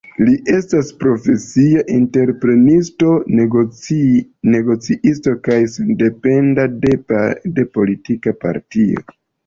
Li estas profesia entreprenisto, negocisto kaj sendependa de politika partio.